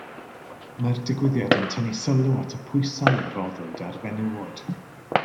Mae'r digwyddiad yn tynnu sylw at y pwysau a roddwyd ar fenywod.